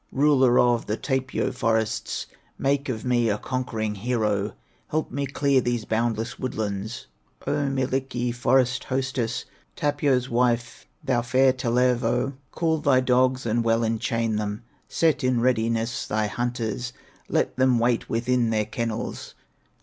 "Ruler of the Tapio forests, Make of me a conquering hero, Help me clear these boundless woodlands. O Mielikki, forest hostess, Tapio's wife, thou fair Tellervo, Call thy dogs and well enchain them, Set in readiness thy hunters, Let them wait within their kennels.